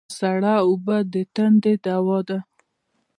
سړه اوبه د تندې دوا ده